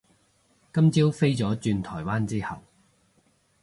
今朝飛咗轉台灣之後